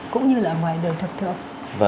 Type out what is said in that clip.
cũng như là ngoài đời thật thường